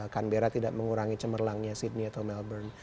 canberra tidak mengurangi cemerlangnya sydney atau melbourne